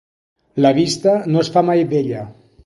La vista no es fa mai vella.